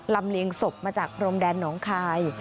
เลียงศพมาจากพรมแดนหนองคาย